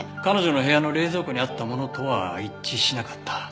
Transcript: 彼女の部屋の冷蔵庫にあったものとは一致しなかった。